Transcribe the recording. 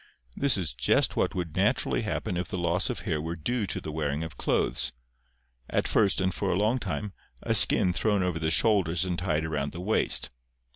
This is just what would naturally happen if the loss of hair were due to the wearing of clothes, — at first and for a long time, a skin thrown over the shoulders and tied around the waist.